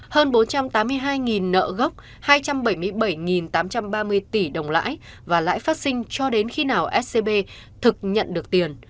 hơn bốn trăm tám mươi hai nợ gốc hai trăm bảy mươi bảy tám trăm ba mươi tỷ đồng lãi và lãi phát sinh cho đến khi nào scb thực nhận được tiền